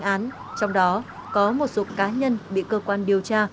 có một số tranh án trong đó có một số cá nhân bị cơ quan điều tra